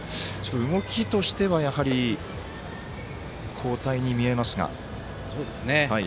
動きとしては、やはり交代に見えますが。